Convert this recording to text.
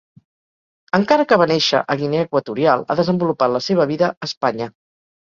Encara que va néixer a Guinea Equatorial, ha desenvolupat la seva vida a Espanya.